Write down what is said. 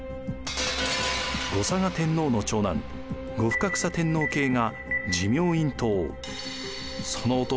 後嵯峨天皇の長男後深草天皇系が持明院統その弟